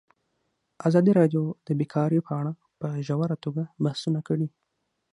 ازادي راډیو د بیکاري په اړه په ژوره توګه بحثونه کړي.